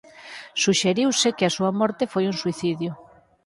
Suxeriuse que a súa morte foi un suicidio.